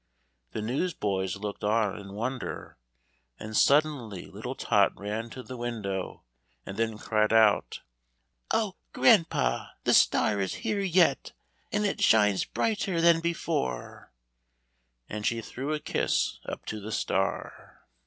The newsboys looked on in wonder, and suddenly little Tot ran to the window and then cried out "Oh, grandpa, the star is here yet, and it shines brighter than before," and she threw a kiss up to the star.